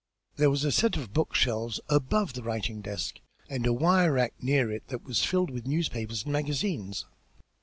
There was a set of bookshelves above the writing desk, and a wire rack near it was filled with newspapers and magazines.